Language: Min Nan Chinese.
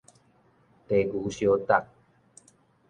地牛相觸